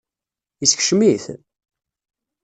Yeskcem-it?